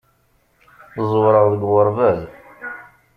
Ẓewreɣ deg uɣerbaz.